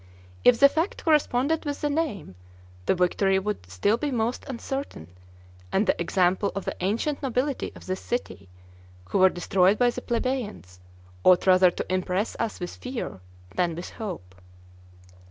If the fact corresponded with the name, the victory would still be most uncertain, and the example of the ancient nobility of this city, who were destroyed by the plebeians, ought rather to impress us with fear than with hope.